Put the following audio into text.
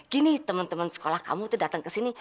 gini teman teman sekolah kamu itu datang ke sini